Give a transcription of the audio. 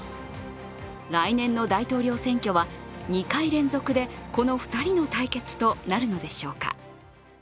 来年の大統領選挙は２回連続でこの２人の対決となるのでしょうか